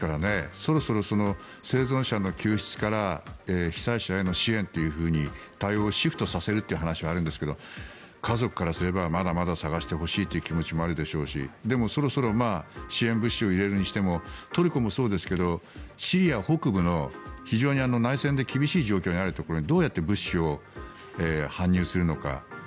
そろそろ、生存者の救出から被災者への支援というふうに対応をシフトさせるという話があるんですが家族からすればまだまだ捜してほしいという気持ちもあるでしょうしでも、そろそろ支援物資を入れるにしてもトルコもそうですけどシリア北部の非常に内戦で厳しい状況にあるところにどうやって物資を搬入するのか。